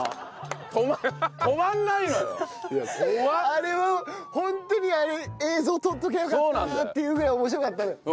あれホントにあれ映像撮っときゃよかったなっていうぐらい面白かったの。